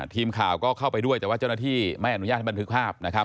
ทีมข่าวก็เข้าไปด้วยแต่ว่าเจ้าหน้าที่ไม่อนุญาตให้บันทึกภาพนะครับ